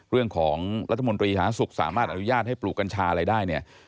เรื่องของรัฐมนตรีสาธารณสุขสามารถอนุญาตให้ปลูกกัญชาอะไรได้เนี่ย